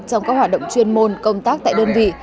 trong các hoạt động chuyên môn công tác tại đơn vị